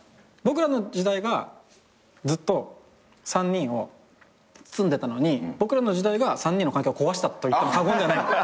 『ボクらの時代』がずっと３人を包んでたのに『ボクらの時代』が３人の関係を壊したといっても過言ではない。